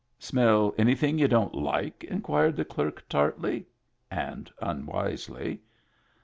"Smell anything you don't like?" inquired the clerk, tartly — and unwisely.